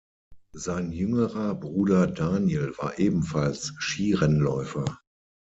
Sein jüngerer Bruder Daniel war ebenfalls Skirennläufer.